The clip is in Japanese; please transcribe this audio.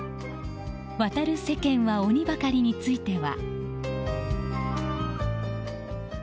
「渡る世間は鬼ばかり」については。